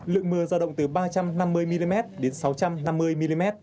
lượng mưa giao động từ ba trăm năm mươi mm đến sáu trăm năm mươi mm